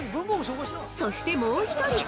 ◆そしてもう１人。